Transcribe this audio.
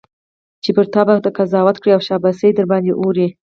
چي پر تا به قضاوت کړي او شاباس درباندي اوري